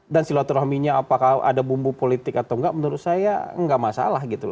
dan silaturahminya apakah ada bumbu politik atau nggak menurut saya nggak masalah gitu